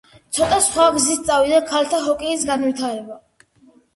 ცოტა სხვა გზით წავიდა ქალთა ჰოკეის განვითრება.